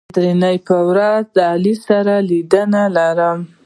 د درېنۍ په ورځ علي سره لیدنه لرم